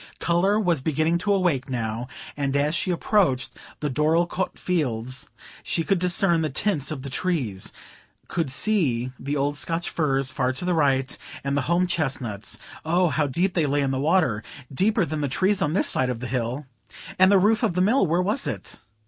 Colour was beginning to awake now, and as she approached the Dorlcote fields, she could discern the tints of the trees, could see the old Scotch firs far to the right, and the home chestnuts,—oh, how deep they lay in the water,—deeper than the trees on this side the hill! And the roof of the Mill—where was it?